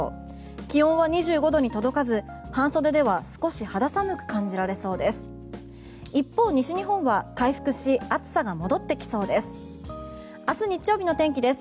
気温は２５度に届かず、半袖では少し肌寒く感じられそうです。